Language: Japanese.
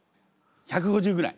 １５０ぐらい。